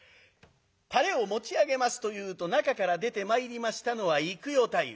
たれを持ち上げますというと中から出てまいりましたのは幾代太夫。